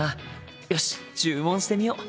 よし注文してみよう！